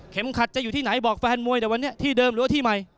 ขัดจะอยู่ที่ไหนบอกแฟนมวยแต่วันนี้ที่เดิมหรือว่าที่ใหม่